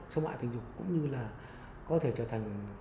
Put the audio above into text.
sống mạng tình dục cũng như là có thể trở thành